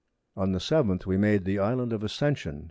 On the 7th we made the Island of Ascension, S.